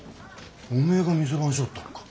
おめえが店番しょうったんか。